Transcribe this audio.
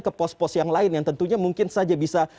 ke pos pos yang lain yang tentunya mungkin saja bisa